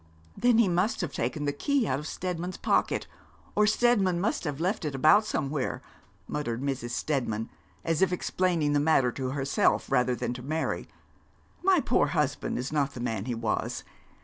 'Then he must have taken the key out of Steadman's pocket, or Steadman must have left it about somewhere,' muttered Mrs. Steadman, as if explaining the matter to herself, rather than to Mary. 'My poor husband is not the man he was.